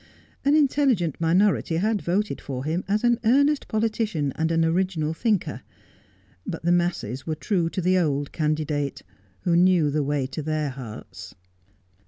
An intelligent minority had voted for him as an earnest politician and an original thinker ; but the masses were true to the old candidate, who knew the way to their hearts.